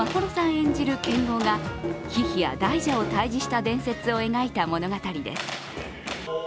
演じる剣豪がヒヒや大蛇を退治した伝説を描いた物語です。